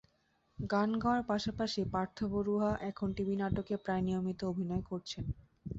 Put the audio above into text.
গান গাওয়ার পাশাপাশি পার্থ বড়ুয়া এখন টিভি নাটকে প্রায় নিয়মিত অভিনয় করছেন।